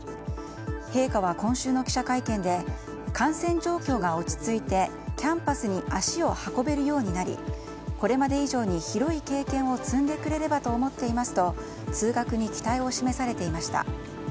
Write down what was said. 陛下は今週の記者会見で感染状況が落ち着いてキャンパスに足を運べるようになりこれまで以上に広い経験を積んでくれればと思っていますと通学に期待を示されていました。